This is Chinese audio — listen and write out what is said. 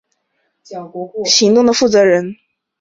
他的战功使他被选为后来的行动的负责人。